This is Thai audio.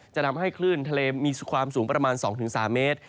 จะทำให้คลื่นทะเลมีความสูงประมาณ๒๓เมตร